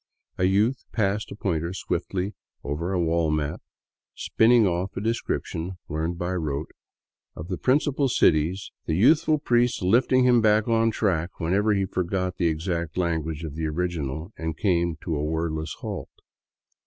A youth passed a pointer swiftly over a wall map, spinning off a description, learned by rote, of the principal cities, the youthful priest lifting him back on the track whenever he forgot the exact language of the original and came to a wordless halt.